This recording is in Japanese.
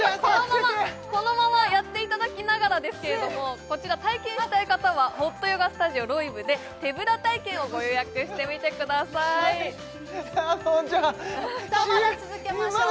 このままやっていただきながらですけれどもこちら体験したい方はホットヨガスタジオ・ロイブで手ぶら体験をご予約してみてくださいさあまだ続けましょう！